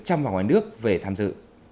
chăm vào ngoài nước về tham dự